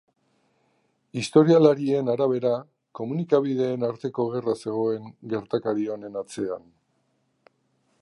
Historialarien arabera komunikabideen arteko gerra zegoen gertakari honen atzean.